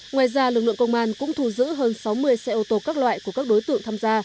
ngoài ra lực lượng công an cũng thu giữ hơn sáu mươi xe ô tô các loại của các đối tượng tham gia